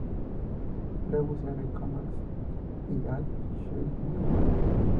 Lewis, R. Knox y H. Newman.